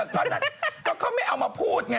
ก่อนนั้นเขาไม่เอามาพูด